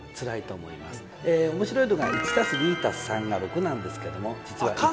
面白いのが「１＋２＋３」が「６」なんですけども。